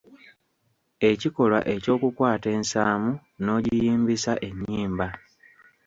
Ekikolwa ekyokukwata ensaamu n'ogiyimbisa ennyimba.